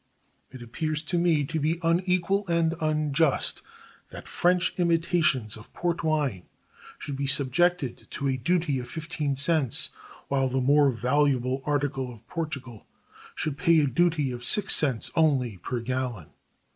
It appears to me to be unequal and unjust that French imitations of port wine should be subjected to a duty of 15 cents, while the more valuable article from Portugal should pay a duty of 6 cents only per gallon.